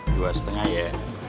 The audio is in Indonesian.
dua setengah ya